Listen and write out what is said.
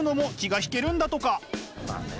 まあね。